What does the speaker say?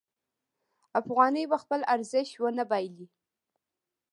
افغانۍ به خپل ارزښت ونه بایلي.